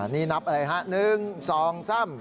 นี่นับอะไรฮะ๑๒๓